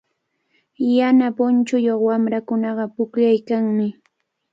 Yana punchuyuq wamrakunaqa pukllaykanmi.